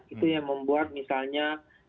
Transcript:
itu yang membuat misalnya